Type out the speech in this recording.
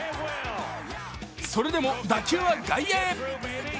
それでも打球は外野へ。